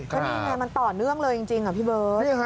ก็นี่ไงมันต่อเนื่องเลยจริงพี่เบิร์ต